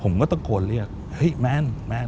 ผมก็ตะโครเลี่ยกเห้ยแม่น